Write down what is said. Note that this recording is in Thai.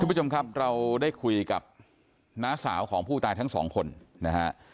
คุณผู้ชมครับเราได้คุยกับน้าสาวของผู้ตายทั้งสองคนนะฮะ